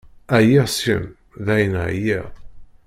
Ɛyiɣ seg-m, dayen ɛyiɣ.